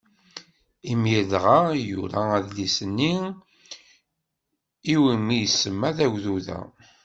Imir dɣa i yura adlis-nni iwmi isemma Tagduda